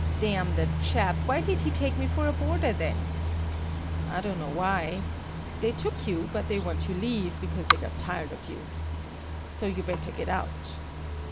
"Damn the chap! Why did he take me for a boarder then!" "I don't know why. They took you but they want you leave because they got tired of you. So you'd better get out."